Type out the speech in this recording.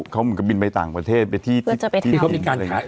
เขาเหมือนกับบินไปต่างประเทศไปที่เพื่อจะไปทำที่เขามีการขาย